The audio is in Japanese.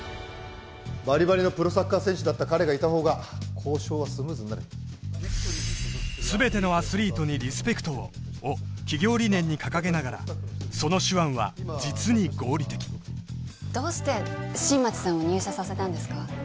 バリバリのプロサッカー選手だった彼がいた方が交渉はスムーズになるを企業理念に掲げながらその手腕は実に合理的どうして新町さんを入社させたんですか？